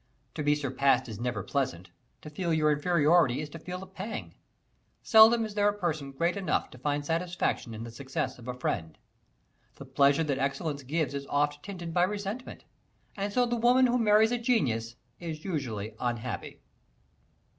To be surpassed is never pleasant; to feel your inferiority is to feel a pang. Seldom is there a person great enough to find satisfaction in the success of a friend. The pleasure that excellence gives is oft tainted by resentment; and so the woman who marries a genius is usually unhappy.